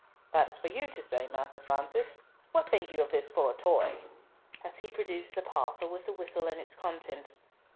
"That is for you to say, Master Francis. What think you of this for a toy?" as he produced the parcel with the whistle and its contents.